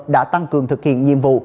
đã tăng cường thực hiện nhiệm vụ